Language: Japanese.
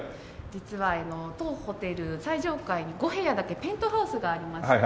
実は当ホテル最上階に５部屋だけペントハウスがありまして。